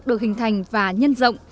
được hình thành và nhân rộng